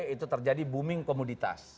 itu terjadi booming komoditas